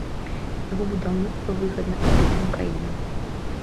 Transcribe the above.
Яго будаўніцтва выгадна абедзвюм краінам.